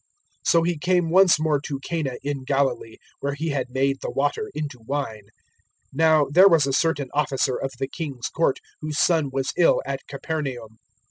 004:046 So He came once more to Cana in Galilee, where He had made the water into wine. Now there was a certain officer of the King's court whose son was ill at Capernaum.